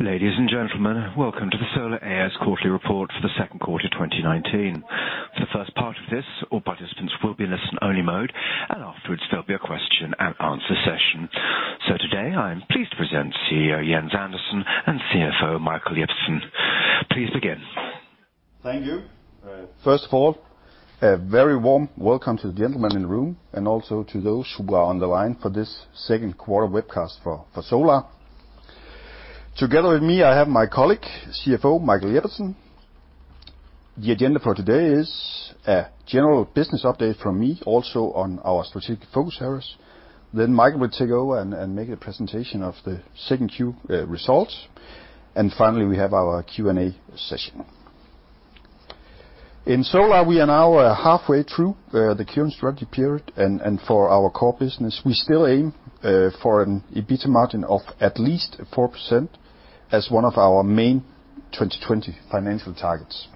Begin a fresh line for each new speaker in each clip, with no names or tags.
Ladies and gentlemen, welcome to the Solar A/S quarterly report for the second quarter 2019. For the first part of this, all participants will be in listen-only mode, afterwards there'll be a question and answer session. Today I am pleased to present CEO Jens Andersen and CFO Michael Jeppesen. Please begin.
Thank you. First of all, a very warm welcome to the gentlemen in the room and also to those who are on the line for this second quarter webcast for Solar. Together with me, I have my colleague, CFO Michael Jeppesen. The agenda for today is a general business update from me, also on our strategic focus areas. Michael will take over and make a presentation of the second Q results. Finally, we have our Q&A session. In Solar, we are now halfway through the current strategy period and for our core business. We still aim for an EBITDA margin of at least 4% as one of our main 2020 financial targets.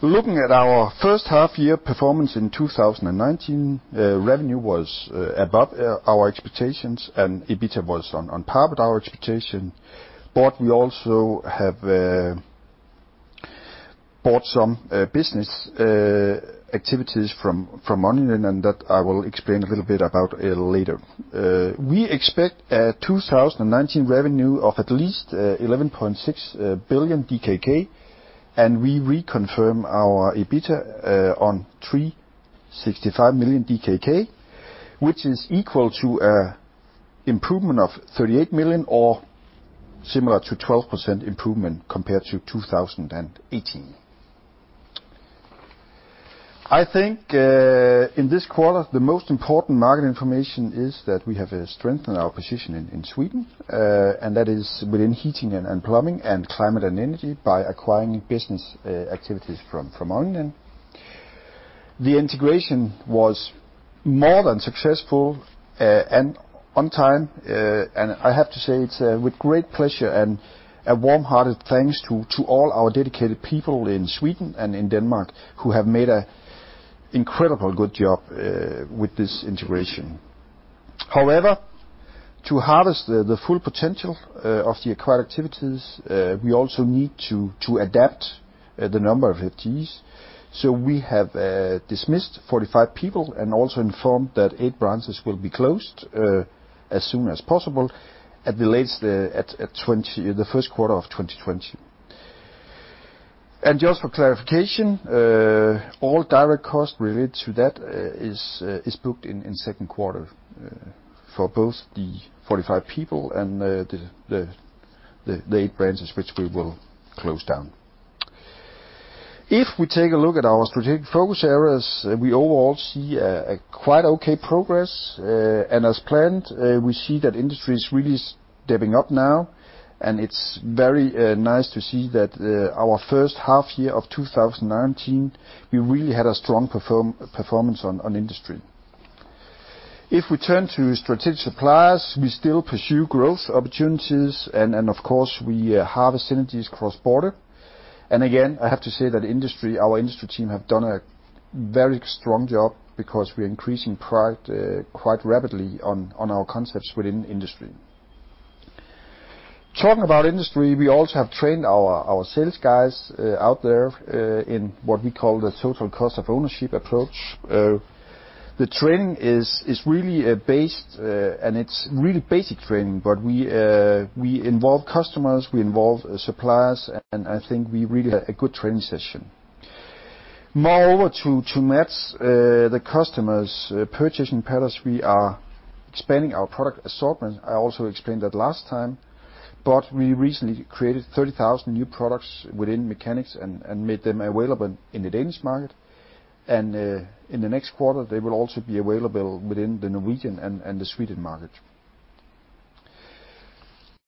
Looking at our first half-year performance in 2019, revenue was above our expectations and EBITDA was on par with our expectation. We also have bought some business activities from Onninen, and that I will explain a little bit about it later. We expect a 2019 revenue of at least 11.6 billion DKK and we reconfirm our EBITDA on 365 million DKK, which is equal to improvement of 38 million or similar to 12% improvement compared to 2018. I think in this quarter, the most important market information is that we have strengthened our position in Sweden, and that is within heating and plumbing and climate and energy by acquiring business activities from Onninen. The integration was more than successful and on time. I have to say it's with great pleasure and a warm-hearted thanks to all our dedicated people in Sweden and in Denmark who have made an incredibly good job with this integration. To harness the full potential of the acquired activities, we also need to adapt the number of FTEs. We have dismissed 45 people and also informed that eight branches will be closed as soon as possible, at the latest the first quarter of 2020. Just for clarification, all direct costs related to that is booked in second quarter for both the 45 people and the eight branches which we will close down. If we take a look at our strategic focus areas, we overall see a quite okay progress. As planned, we see that industry is really stepping up now and it's very nice to see that our first half year of 2019, we really had a strong performance on industry. If we turn to strategic suppliers, we still pursue growth opportunities and of course we harvest synergies cross-border. Again, I have to say that our industry team have done a very strong job because we're increasing quite rapidly on our concepts within industry. Talking about industry, we also have trained our sales guys out there in what we call the total cost of ownership approach. The training is really a base, and it's really basic training, but we involve customers, we involve suppliers, and I think we really had a good training session. Moreover, to match the customers' purchasing patterns, we are expanding our product assortment. I also explained that last time, we recently created 30,000 new products within mechanics and made them available in the Danish market. In the next quarter they will also be available within the Norwegian and the Swedish market.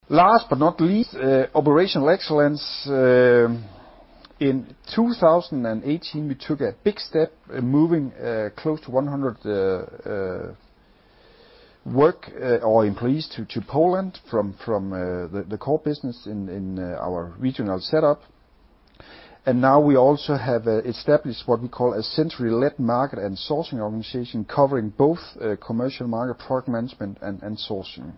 Last but not least, operational excellence. In 2018, we took a big step in moving close to 100 work or employees to Poland from the core business in our regional setup. Now we also have established what we call a centrally led market and sourcing organization covering both commercial market product management and sourcing.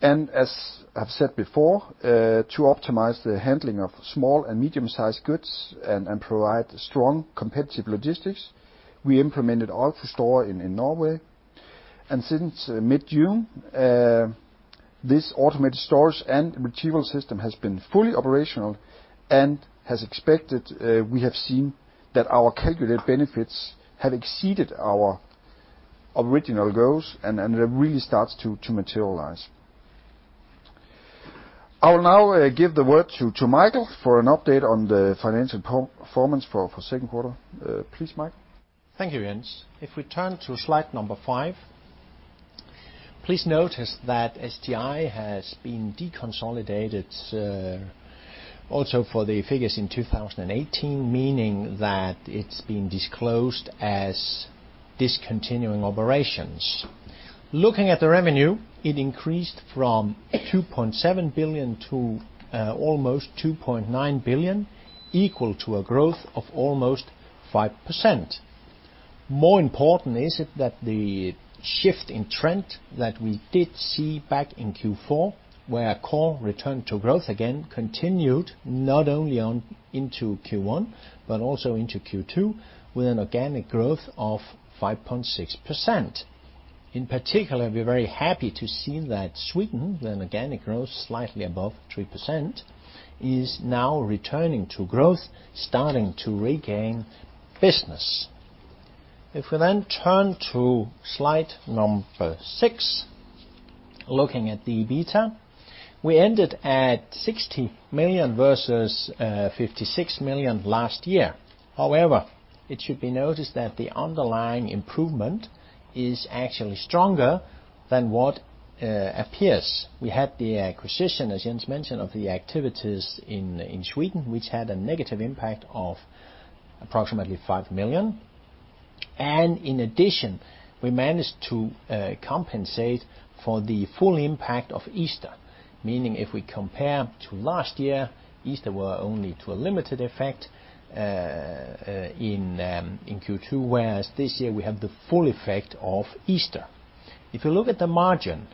As I've said before, to optimize the handling of small and medium-sized goods and provide strong competitive logistics, we implemented AutoStore in Norway. Since mid-June, this automated storage and retrieval system has been fully operational and as expected, we have seen that our calculated benefits have exceeded our original goals and it really starts to materialize. I will now give the word to Michael for an update on the financial performance for second quarter. Please, Michael.
Thank you, Jens. We turn to slide number five, please notice that STI has been deconsolidated also for the figures in 2018, meaning that it's been disclosed as discontinuing operations. Looking at the revenue, it increased from 2.7 billion to almost 2.9 billion, equal to a growth of almost 5%. More important is it that the shift in trend that we did see back in Q4, where core returned to growth again, continued not only into Q1, but also into Q2 with an organic growth of 5.6%. In particular, we're very happy to see that Sweden, with an organic growth slightly above 3%, is now returning to growth, starting to regain business. We turn to slide number six, looking at the EBITDA, we ended at 60 million versus 56 million last year. It should be noticed that the underlying improvement is actually stronger than what appears. We had the acquisition, as Jens mentioned, of the activities in Sweden, which had a negative impact of approximately 5 million. In addition, we managed to compensate for the full impact of Easter, meaning if we compare to last year, Easter were only to a limited effect in Q2, whereas this year we have the full effect of Easter. If you look at the margin,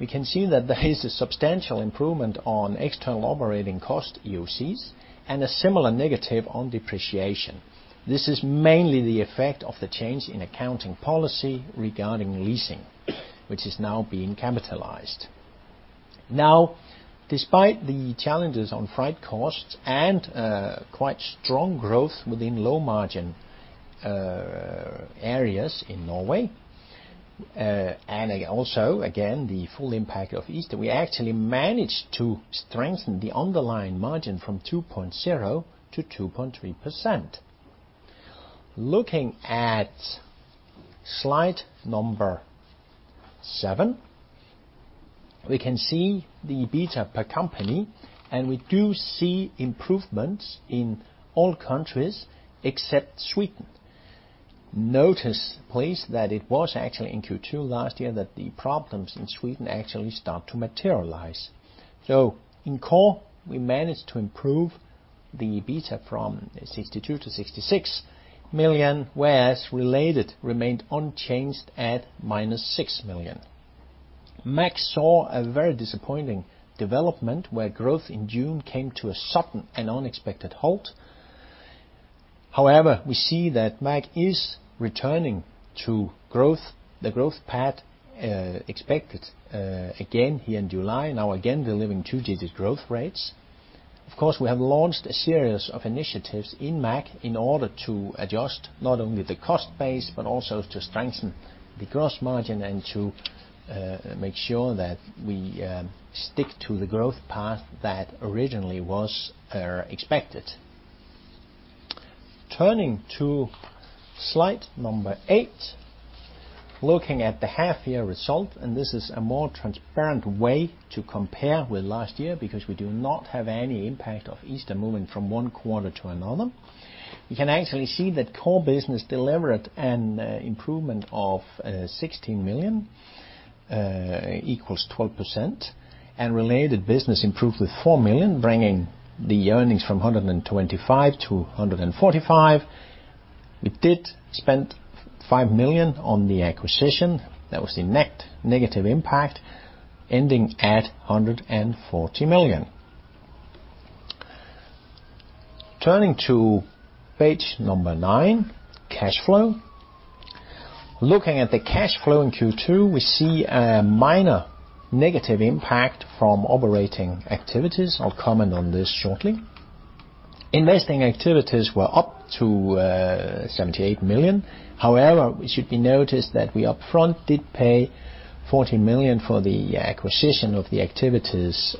we can see that there is a substantial improvement on external operating cost, EOCs, and a similar negative on depreciation. This is mainly the effect of the change in accounting policy regarding leasing, which is now being capitalized. Now, despite the challenges on freight costs and quite strong growth within low-margin areas in Norway, and also, again, the full impact of Easter, we actually managed to strengthen the underlying margin from 2.0% to 2.3%. Looking at slide number seven, we can see the EBITDA per company, and we do see improvements in all countries except Sweden. Notice, please, that it was actually in Q2 last year that the problems in Sweden actually start to materialize. In core, we managed to improve the EBITDA from 62 million to 66 million, whereas related remained unchanged at minus 6 million. MAG saw a very disappointing development where growth in June came to a sudden and unexpected halt. We see that MAG is returning to the growth path expected again here in July. Again, delivering two-digit growth rates. We have launched a series of initiatives in MAG in order to adjust not only the cost base, but also to strengthen the gross margin and to make sure that we stick to the growth path that originally was expected. Turning to slide number eight, looking at the half-year result, this is a more transparent way to compare with last year because we do not have any impact of Easter moving from one quarter to another. We can actually see that core business delivered an improvement of 16 million, equals 12%, Related business improved with 4 million, bringing the earnings from 125 to 145. We did spend 5 million on the acquisition. That was the net negative impact, ending at 140 million. Turning to page number nine, cash flow. Looking at the cash flow in Q2, we see a minor negative impact from operating activities. I'll comment on this shortly. Investing activities were up to 78 million. However, it should be noticed that we upfront did pay 14 million for the acquisition of the activities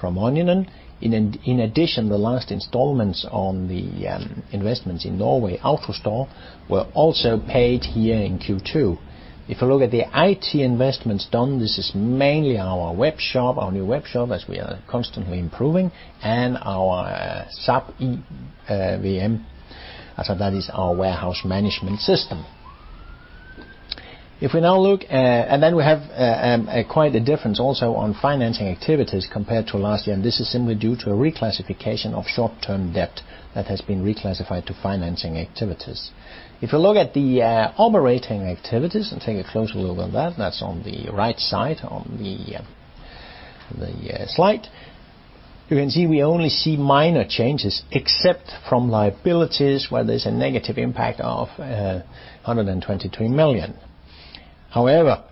from Onninen. In addition, the last installments on the investments in Norway, AutoStore, were also paid here in Q2. If you look at the IT investments done, this is mainly our new webshop as we are constantly improving, and our SAP WM. That is our warehouse management system. We have quite a difference also on financing activities compared to last year, this is simply due to a reclassification of short-term debt that has been reclassified to financing activities. If you look at the operating activities and take a closer look on that's on the right side on the slide. You can see we only see minor changes except from liabilities where there's a negative impact of 123 million. However,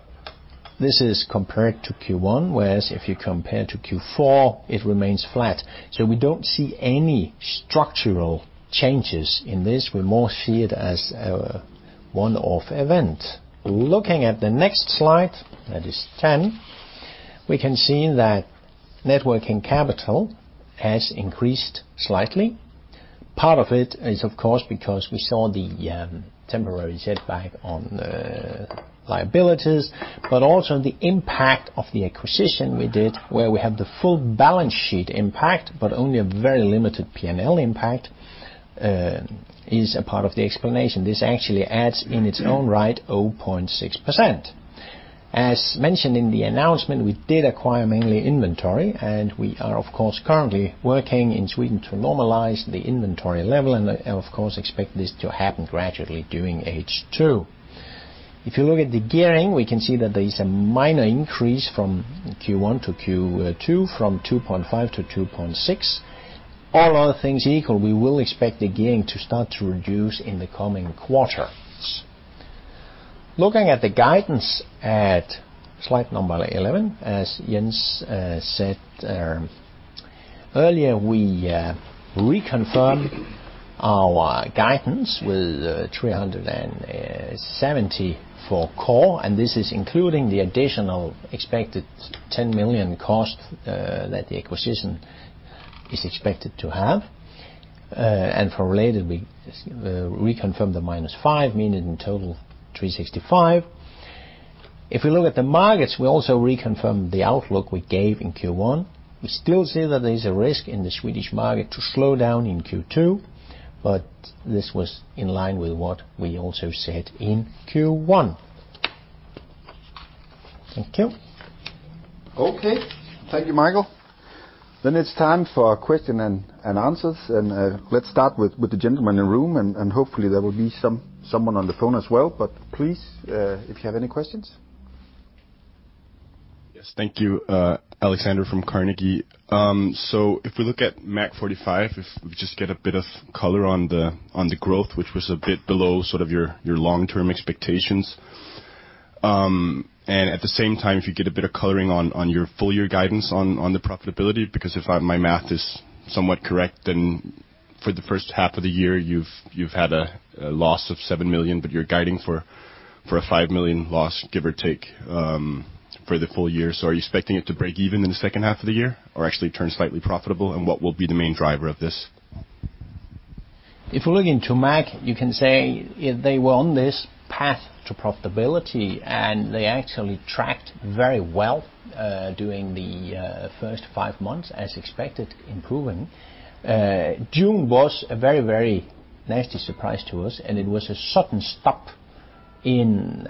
this is compared to Q1, whereas if you compare to Q4, it remains flat. We don't see any structural changes in this. We more see it as a one-off event. Looking at the next slide, that is 10, we can see that net working capital has increased slightly. Part of it is, of course, because we saw the temporary setback on liabilities, but also the impact of the acquisition we did where we have the full balance sheet impact but only a very limited P&L impact is a part of the explanation. This actually adds in its own right, 0.6%. As mentioned in the announcement, we did acquire mainly inventory, and we are, of course, currently working in Sweden to normalize the inventory level and, of course, expect this to happen gradually during H2. If you look at the gearing, we can see that there is a minor increase from Q1 to Q2 from 2.5 to 2.6. All other things equal, we will expect the gearing to start to reduce in the coming quarters. Looking at the guidance at slide number 11, as Jens said earlier, we reconfirmed our guidance with 370 for core, and this is including the additional expected 10 million cost that the acquisition is expected to have. For related, we reconfirmed the minus 5, meaning in total 365. If we look at the markets, we also reconfirmed the outlook we gave in Q1. We still see that there's a risk in the Swedish market to slow down in Q2, but this was in line with what we also said in Q1. Thank you.
Okay. Thank you, Michael. It's time for question and answers, and let's start with the gentleman in the room, and hopefully, there will be someone on the phone as well. Please, if you have any questions.
Yes. Thank you. Alexander from Carnegie. If we look at MAG45, if we just get a bit of color on the growth, which was a bit below your long-term expectations. At the same time, if you get a bit of coloring on your full-year guidance on the profitability, because if my math is somewhat correct, for the first half of the year, you've had a loss of 7 million, but you're guiding for a 5 million loss, give or take, for the full year. Are you expecting it to break even in the second half of the year or actually turn slightly profitable? What will be the main driver of this?
If we look into MAG, you can say they were on this path to profitability, and they actually tracked very well during the first five months, as expected, improving. June was a very nasty surprise to us, and it was a sudden stop in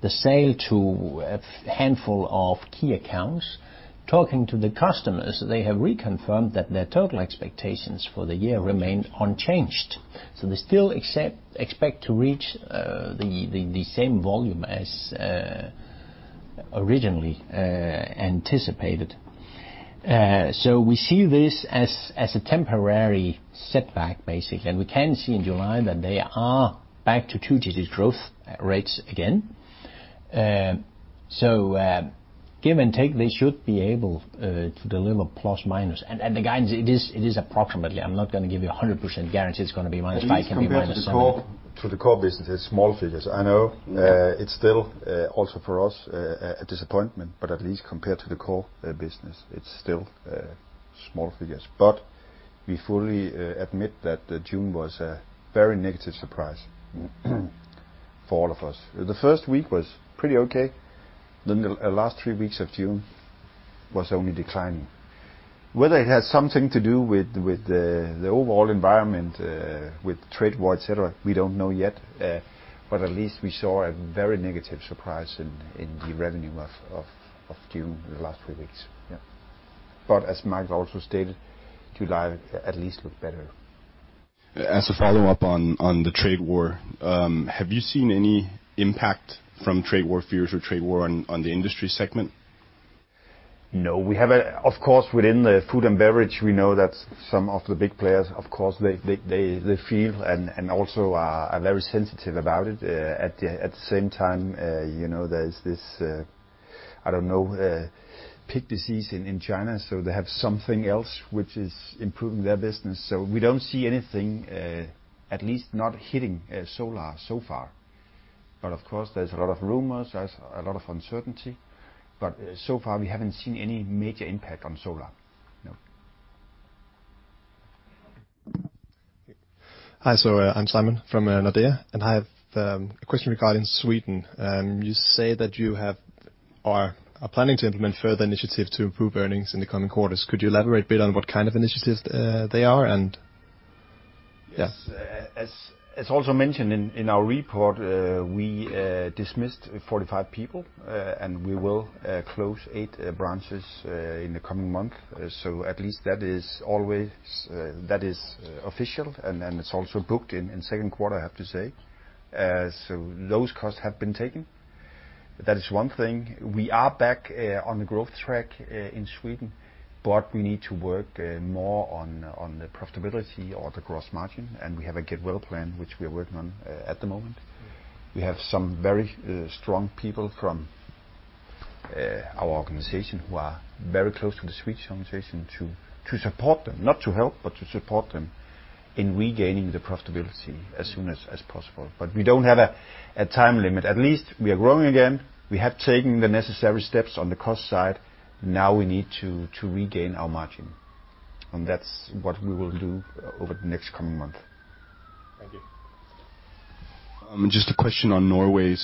the sale to a handful of key accounts. Talking to the customers, they have reconfirmed that their total expectations for the year remain unchanged. They still expect to reach the same volume as originally anticipated. We see this as a temporary setback, basically. We can see in July that they are back to two-digit growth rates again. Give and take, they should be able to deliver ±. The guidance, it is approximately. I'm not going to give you 100% guarantee it's going to be minus five, can be minus seven.
At least compared to the core business, it's small figures. I know it's still also for us a disappointment, but at least compared to the core business, it's still small figures. We fully admit that June was a very negative surprise for all of us. The first week was pretty okay. The last three weeks of June was only declining. Whether it has something to do with the overall environment, with trade war, et cetera, we don't know yet. At least we saw a very negative surprise in the revenue of June the last three weeks. Yeah. As Michael also stated, July at least looks better.
As a follow-up on the trade war, have you seen any impact from trade war fears or trade war on the industry segment?
No. Of course, within the food and beverage, we know that some of the big players, of course, they feel and also are very sensitive about it. There is this, I don't know, pig disease in China, so they have something else which is improving their business. We don't see anything, at least not hitting Solar so far. Of course, there's a lot of rumors, there's a lot of uncertainty, but so far, we haven't seen any major impact on Solar. No.
Hi. I'm Simon from Nordea. I have a question regarding Sweden. You say that you are planning to implement further initiatives to improve earnings in the coming quarters. Could you elaborate a bit on what kind of initiatives they are?
Yes. As also mentioned in our report, we dismissed 45 people, and we will close eight branches in the coming month. At least that is official, and it's also booked in the second quarter, I have to say. Those costs have been taken. That is one thing. We are back on the growth track in Sweden, but we need to work more on the profitability or the gross margin, and we have a get well plan, which we are working on at the moment. We have some very strong people from our organization who are very close to the Swedish organization to support them, not to help, but to support them in regaining the profitability as soon as possible. We don't have a time limit. At least we are growing again. We have taken the necessary steps on the cost side. Now we need to regain our margin, and that's what we will do over the next coming month.
Thank you.
Just a question on Norway.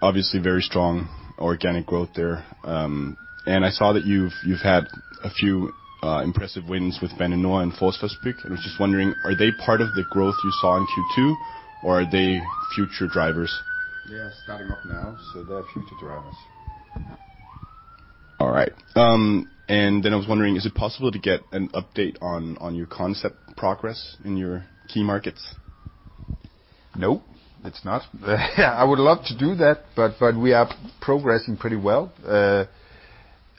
Obviously, very strong organic growth there. I saw that you've had a few impressive wins with Bennonyha and Fosfospik. I was just wondering, are they part of the growth you saw in Q2, or are they future drivers?
They are starting up now, so they are future drivers.
All right. I was wondering, is it possible to get an update on your concept progress in your key markets?
No, it's not. I would love to do that, but we are progressing pretty well.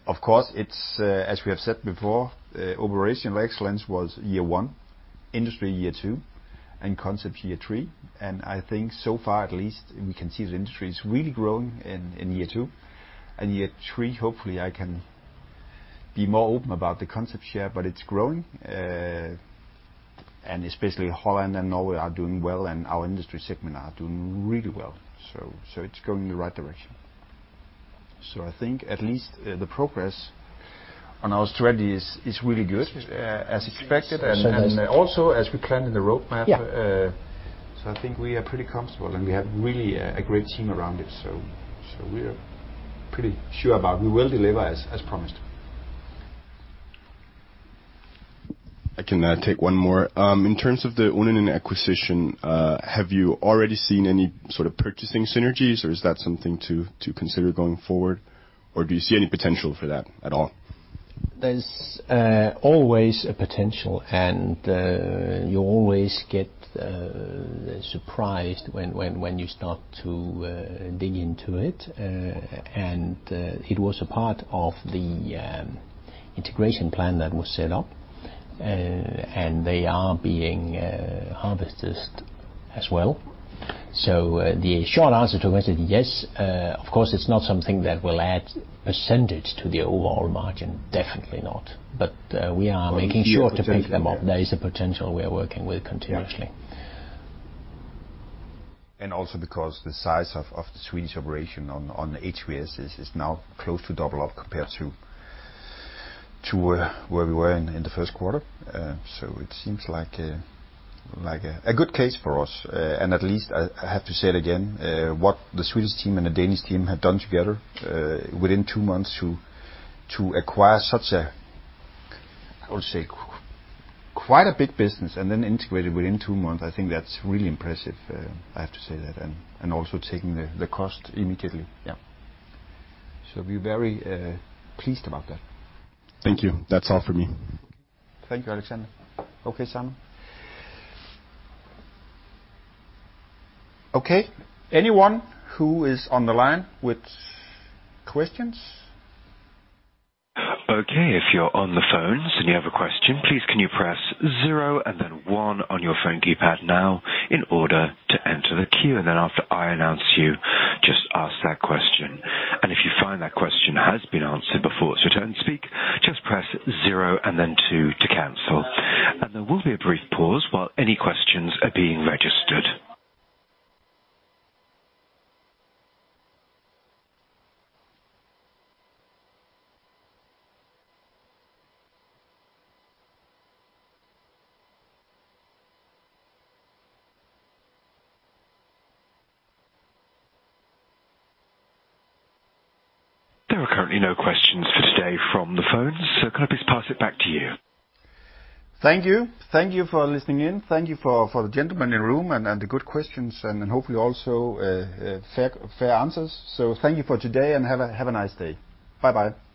Of course, as we have said before, operational excellence was year 1, industry year 2, and concept year 3. I think so far at least, we can see that industry is really growing in year 2. Year 3, hopefully I can be more open about the concept share, but it's growing. Especially Holland and Norway are doing well, and our industry segment are doing really well, it's going in the right direction. I think at least the progress on our strategy is really good, as expected, and also as we planned in the roadmap.
Yeah.
I think we are pretty comfortable, and we have really a great team around it, so we are pretty sure about we will deliver as promised.
I can take one more. In terms of the Onninen acquisition, have you already seen any sort of purchasing synergies, or is that something to consider going forward, or do you see any potential for that at all?
There's always a potential, and you always get surprised when you start to dig into it. It was a part of the integration plan that was set up, and they are being harvested as well. The short answer to it is yes. Of course, it's not something that will add percentage to the overall margin. Definitely not. We are making sure to pick them up. There is a potential we are working with continuously.
Also because the size of the Swedish operation on HVAC is now close to double up compared to where we were in the first quarter. It seems like a good case for us. At least I have to say it again, what the Swedish team and the Danish team have done together within 2 months to acquire such a, I would say, quite a big business and then integrate it within 2 months, I think that's really impressive, I have to say that. Also taking the cost immediately.
Yeah.
We're very pleased about that.
Thank you. That's all for me.
Thank you, Alexander. Okay, Simon. Okay, anyone who is on the line with questions?
Okay. If you're on the phones and you have a question, please can you press zero and then one on your phone keypad now in order to enter the queue. Then after I announce you, just ask that question. If you find that question has been answered before it's your turn to speak, just press zero and then two to cancel. There will be a brief pause while any questions are being registered. There are currently no questions for today from the phones, can I please pass it back to you?
Thank you. Thank you for listening in. Thank you for the gentlemen in the room and the good questions and hopefully also fair answers. Thank you for today, and have a nice day. Bye-bye.